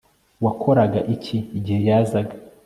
Wakoraga iki igihe yazaga